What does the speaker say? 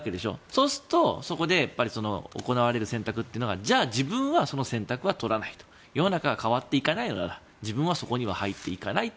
そうするとそこで行われる選択というのがじゃあ自分はその選択は取らない世の中が変わっていかないのなら自分はそこに入っていかない。